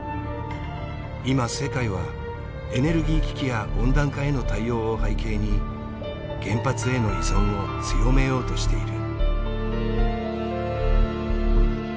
今世界はエネルギー危機や温暖化への対応を背景に原発への依存を強めようとしている。